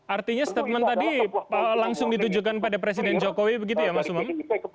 artinya statement tadi langsung ditujukan pada presiden jokowi begitu ya mas umam